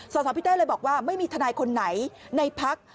สาวพี่เต้ยเลยบอกว่าไม่มีธนายคนไหนในพรรค